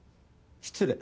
失礼。